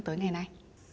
tới ngày nay